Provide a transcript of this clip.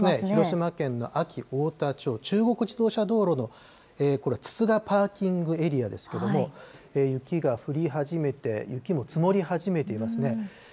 広島県の安芸太田町、中国自動車道路のこれ、つつだパーキングエリアですけれども、雪が降り始めて、雪も積もり始めていますね。